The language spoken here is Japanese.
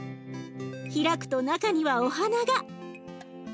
開くと中にはお花が。